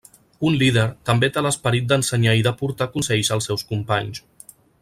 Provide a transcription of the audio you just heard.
Un líder, també té l'esperit d'ensenyar i d'aportar consells als seus companys.